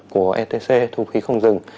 của etc thu phí không dừng